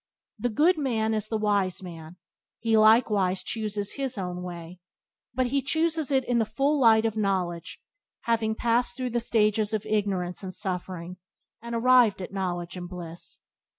The good man is the wise man; he likewise chooses his own way, but he chooses it in the full light of knowledge, having passed through the stages of ignorance and suffering, and arrived at knowledge and bliss.